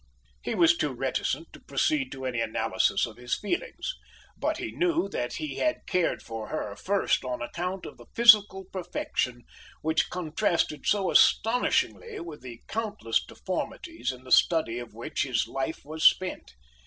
He was too reticent to proceed to any analysis of his feelings; but he knew that he had cared for her first on account of the physical perfection which contrasted so astonishingly with the countless deformities in the study of which his life was spent.